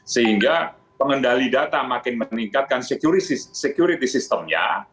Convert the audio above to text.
sehingga pengendali data makin meningkatkan security systemnya